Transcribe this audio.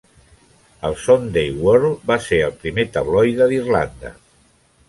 El "Sunday World" va ser el primer tabloide d'Irlanda.